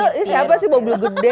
itu tuh ini siapa sih mobil gede